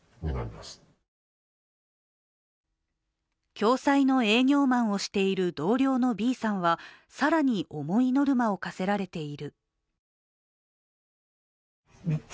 共済の営業マンをしている同僚のＢさんは更に重いノルマを課せられている。